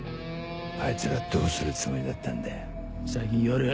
あいつらどうするつもりだったんだよ？